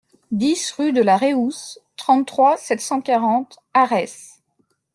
dix rue de la Réousse, trente-trois, sept cent quarante, Arès